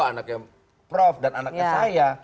anak ke joko anak ke prof dan anak ke saya